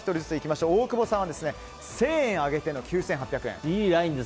大久保さんは１０００円上げての９８００円。